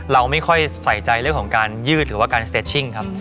เราไม่ค่อยใส่ใจเรื่องของการยืดหรือว่าการเซชิ่งครับ